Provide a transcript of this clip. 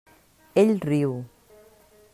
Ell riu.